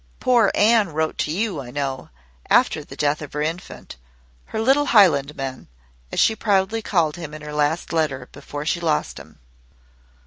"Poor Anne wrote to you, I know, after the death of her infant her little Highlandman, as she proudly called him in her last letter before she lost him.